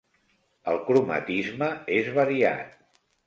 El cromatisme és variat.